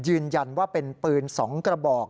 ยืนยันว่าเป็นปืน๒กระบอก